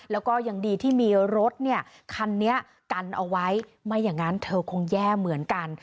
แล้วก็ยังดีที่มีรถเนี่ยคันนี้กันเอาไว้ไม่อย่างนั้นเธอคงแย่เหมือนกัน